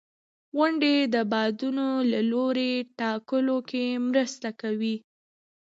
• غونډۍ د بادونو د لوري ټاکلو کې مرسته کوي.